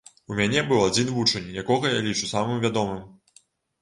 У мяне быў адзін вучань, якога я лічу самым вядомым.